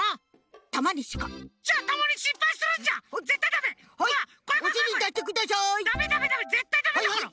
ダメダメダメぜったいダメだから！